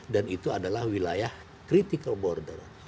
dan itu adalah wilayah critical border